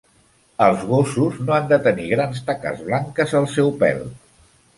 Els gossos no han de tenir grans taques blanques al seu pèl.